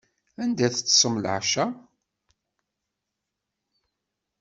Anda teṭṭsem leɛca?